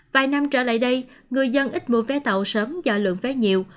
vài năm trở lại đây người dân ít mua vé tàu sớm do lượng vé nhiều